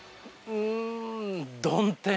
うん。